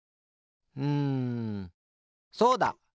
うんそうだ！